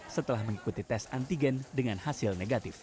setelah mengikuti tes antigen dengan hasil negatif